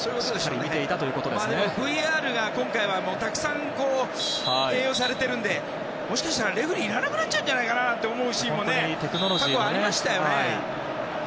でも、ＶＡＲが今回はたくさん併用されてるのでもしかしたらレフェリーいらなくなっちゃうんじゃないかなと思うシーンも過去ありましたよね。